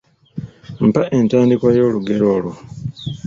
Mpa entandikwa y’olugero olwo.